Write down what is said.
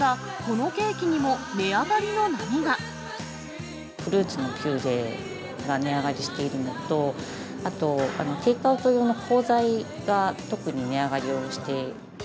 ただ、フルーツのピューレが値上がりしているのと、あと、テイクアウト用の包材が、特に値上がりをして。